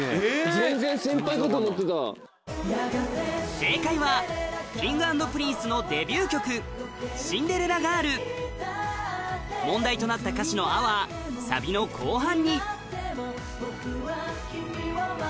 正解は Ｋｉｎｇ＆Ｐｒｉｎｃｅ のデビュー曲『シンデレラガール』問題となった歌詞の「あ」はサビの後半に